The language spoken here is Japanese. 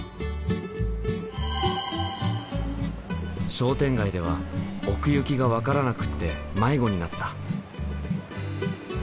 商店街では奥行きが分からなくって迷子になった。